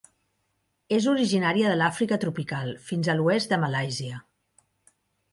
És originària de l'Àfrica tropical fins a l'oest de Malàisia.